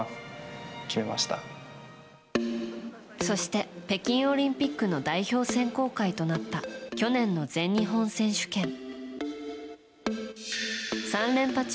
そして、北京オリンピックの代表選考会となった去年の全日本選手権。